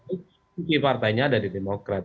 itu kunci partainya dari demokrat